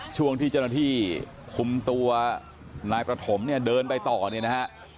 ช่วงที่เจ้าหน้าที่คุมตัวนายประถมเนี่ยเดินไปต่อเนี่ยนะฮะ